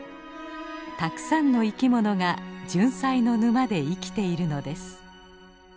たくさんの生きものがジュンサイの沼で生きているのです。